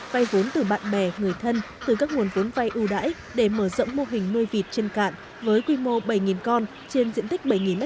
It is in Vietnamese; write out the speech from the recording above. vay vốn từ bạn bè người thân từ các nguồn vốn vay ưu đãi để mở rộng mô hình nuôi vịt trên cạn với quy mô bảy con trên diện tích bảy m hai